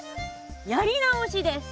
やり直しです。